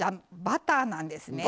バターなんですね。